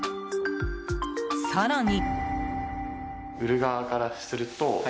更に。